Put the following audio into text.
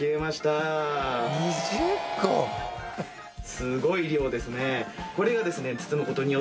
すごい量ですね。